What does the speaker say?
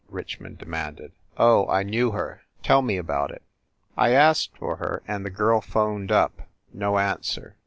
Richmond demanded. "Oh, I knew her. Tell me about it." "I asked for her, and the girl phoned up. No answer.